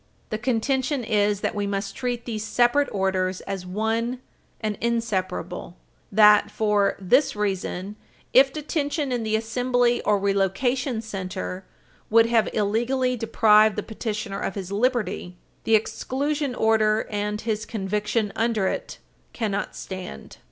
The contention is that we must treat these separate orders as one and inseparable; that, for this reason, if detention in the assembly or relocation center would have illegally deprived the petitioner of his liberty, the exclusion order and his conviction under it cannot stand.